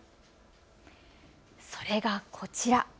それがこちら。